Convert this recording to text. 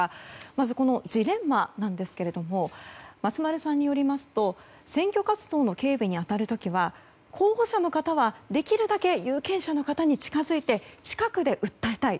まず、ジレンマなんですが松丸さんによりますと選挙活動の警備に当たる時は候補者の方はできるだけ有権者の方に近づいて近くで訴えたい。